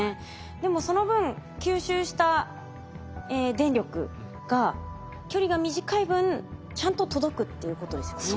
でもその分吸収した電力が距離が短い分ちゃんと届くっていうことですよね。